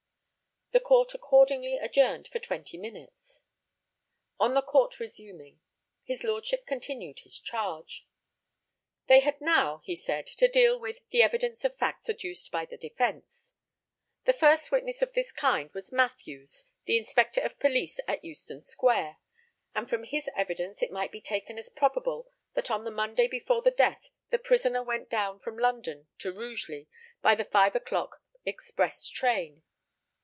The Court accordingly adjourned for twenty minutes. On the Court resuming, His Lordship continued his charge. They had now (he said) to deal with, the evidence of facts adduced by the defence. The first witness of this kind was Matthews, the inspector of police at Euston square, and from his evidence, it might be taken as probable that on the Monday before the death the prisoner went down from London to Rugeley by the five o'clock express train.